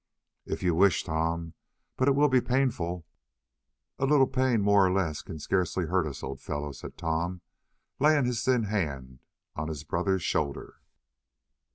"If you wish, Tom, but it will be painful." "A little pain more or less can scarcely hurt us, old fellow," said Tom, laying his thin hand on his brother's shoulder.